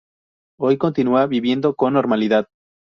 Hoy continua viviendo con normalidad.